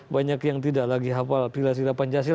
banyak yang tidak lagi hafal pilihah sirah pancasila